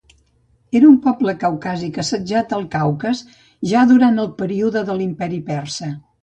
Eren un poble caucàsic assentat al Caucas ja durant el període de l'Imperi Persa.